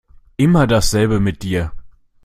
Immer dasselbe mit dir.